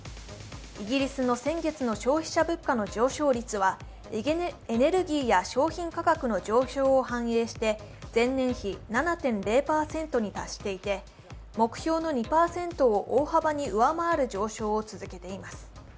イギリスの先月の消費者物価の上昇率はエネルギーや商品価格の上昇を反映して前年比７．０％に達していて目標の２％を大幅に上回る上昇を続けています。